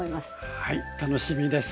はい楽しみです。